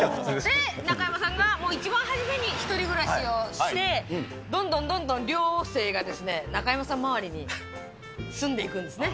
で、中山さんがもう一番初めに１人暮らしをして、どんどんどんどん寮生がですね、中山さん周りに住んでいくんですね。